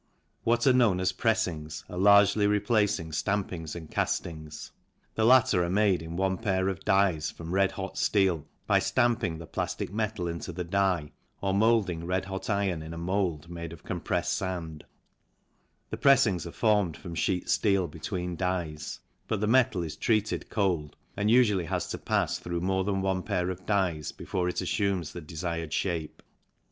What are known as pressings are largely replacing stampings and castings. The latter are made in one pair of dies from red hot steel by stamping the plastic metal into the die or moulding red hot iron in a mould made of compressed sand ; the pressings are formed from sheet steel between dies, but the metal is treated cold and usually has to pass through more than one pair of dies before it assumes the desired shape.